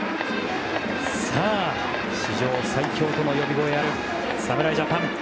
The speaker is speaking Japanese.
さあ、史上最強との呼び声ある侍ジャパン。